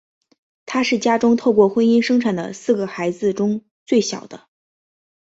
他是家中透过婚姻生产的四个孩子中最小的。